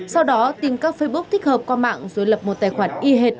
sau đó tìm các facebook thích hợp qua mạng rồi lập một tài khoản y hệt